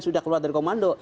sudah keluar dari komando